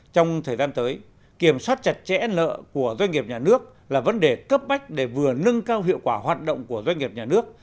trong thời gian tới kiểm soát chặt chẽ nợ của doanh nghiệp nhà nước là vấn đề cấp bách để vừa nâng cao hiệu quả hoạt động của doanh nghiệp nhà nước